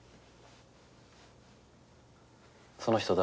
その人誰？